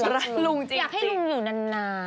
รักลุงจริงจริง